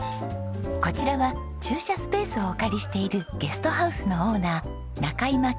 こちらは駐車スペースをお借りしているゲストハウスのオーナー仲井間堅仁さんです。